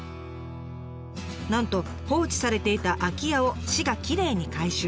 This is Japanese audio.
なんと放置されていた空き家を市がきれいに改修。